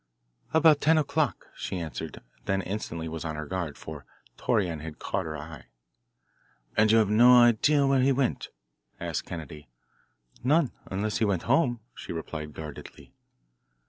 "About ten o'clock," she answered, then instantly was on her guard, for Torreon had caught her eye. "And you have no idea where he went?" asked Kennedy. "None, unless he went home," she replied guardedly.